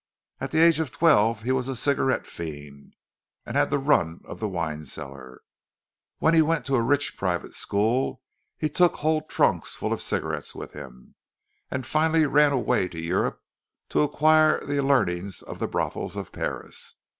At the age of twelve he was a cigarette fiend, and had the run of the wine cellar. When he went to a rich private school he took whole trunks full of cigarettes with him, and finally ran away to Europe, to acquire the learning of the brothels of Paris.